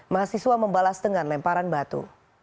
mahasiswa membalas dengan lemparan batu